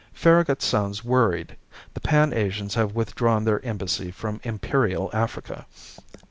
Farragut sounds worried. The Pan Asians have withdrawn their embassy from Imperial Africa.